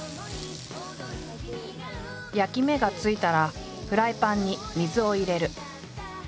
焼き目がついたらフライパンに水を入れる。